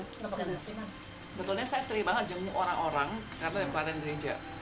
sebenarnya saya sering banget jemur orang orang karena lebaran diri dia